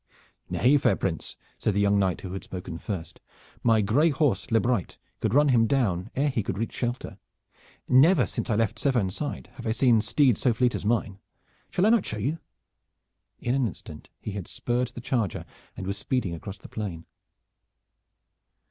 "Nay, fair prince," said the young knight who had spoken first. "My gray horse, Lebryte, could run him down ere he could reach shelter. Never since I left Severn side have I seen steed so fleet as mine. Shall I not show you?" In an instant he had spurred the charger and was speeding across the plain.